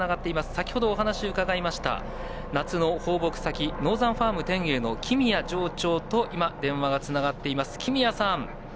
先ほどお話を伺いました夏の放牧先ノーザンファーム天栄の木實谷場長と電話がつながっています。